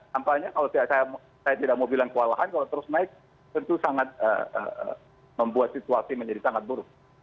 tampaknya kalau saya tidak mau bilang kewalahan kalau terus naik tentu sangat membuat situasi menjadi sangat buruk